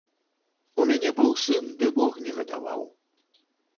У мяне быў сын, ды бог не гадаваў.